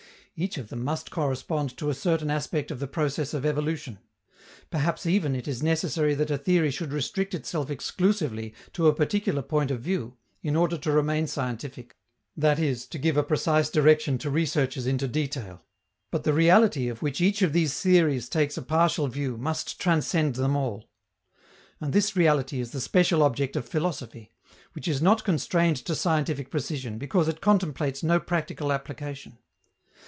Each of them must correspond to a certain aspect of the process of evolution. Perhaps even it is necessary that a theory should restrict itself exclusively to a particular point of view, in order to remain scientific, i.e. to give a precise direction to researches into detail. But the reality of which each of these theories takes a partial view must transcend them all. And this reality is the special object of philosophy, which is not constrained to scientific precision because it contemplates no practical application.